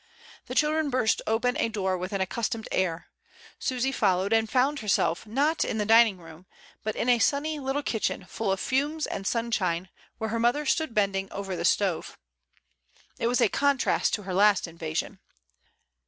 The children burst open a door with an accustomed air; Susy followed, and found her self, not in the dining room, but in a sunny little kitchen full of fumes and simshine, where her mother stood bending over the stove. It was a contrast to her last invasion.